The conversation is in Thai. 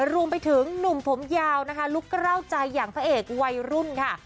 รวมไปถึงหนุ่มผมยาวนะคะลูกกล้าวใจอย่างพระเอกวัยรุ่นค่ะ